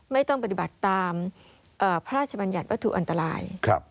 ไม่ต้องปฏิบัติตามพระราชบัญญัติวัตถุอันตราย